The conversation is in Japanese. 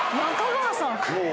中川さん。